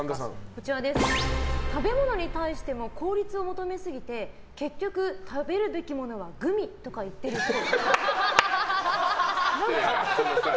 食べ物に対しても効率を求めすぎて結局、食べるべきものはグミとか言っているっぽい。